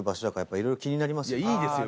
いやいいですよ